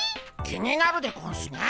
気になるでゴンスね。